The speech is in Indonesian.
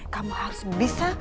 kamu harus bisa